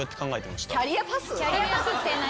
キャリアパスって何？